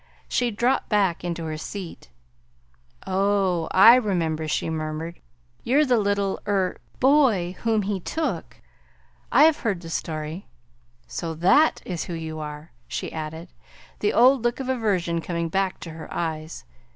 She dropped back into her seat. "Oh, I remember," she murmured. "You're the little er boy whom he took. I have heard the story. So THAT is who you are," she added, the old look of aversion coming back to her eyes.